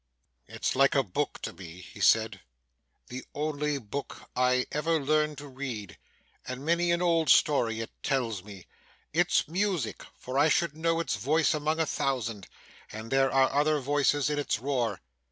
'It's like a book to me,' he said 'the only book I ever learned to read; and many an old story it tells me. It's music, for I should know its voice among a thousand, and there are other voices in its roar.